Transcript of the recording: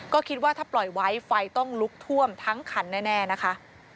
ก็คิดว่าถ้าปล่อยไว้ไฟต้องลุกท่วมทั้งคันแน่นะคะ